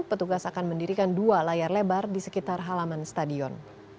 petugas akan mendirikan dua layar lebar di sekitar halaman stadion